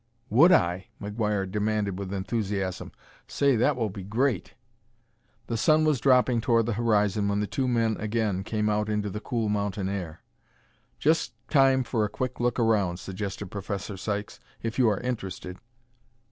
"Would I?" McGuire demanded with enthusiasm. "Say, that will be great!" The sun was dropping toward the horizon when the two men again came out into the cool mountain air. "Just time for a quick look around," suggested Professor Sykes, "if you are interested."